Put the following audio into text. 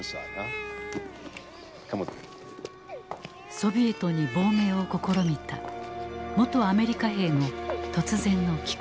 ソビエトに亡命を試みた元アメリカ兵の突然の帰国。